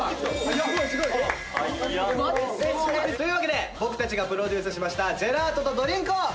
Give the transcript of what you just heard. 待ってすごい！というわけで僕たちがプロデュースしましたジェラートとドリンクを。